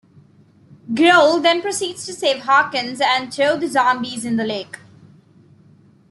Grohl then proceeds to save Hawkins and throw the zombies in the lake.